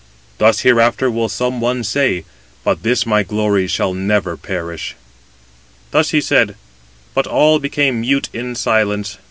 Thus hereafter will some one say; but this my glory shall never perish." Thus he said, but all became mute in silence.